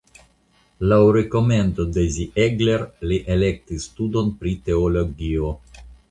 Laŭ rekomendo de Ziegler li elektis studon pri teologio.